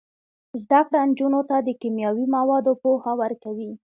زده کړه نجونو ته د کیمیاوي موادو پوهه ورکوي.